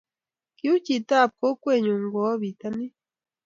Kiuu chitab kokwenyu kowo bitonin